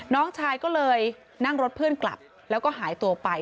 น้องชายก็เลยนั่งรถเพื่อนกลับแล้วก็หายตัวไป